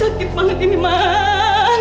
aduh sakit banget ini mas